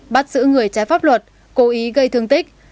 bắt giữ người trái pháp luật cố ý gây thương tích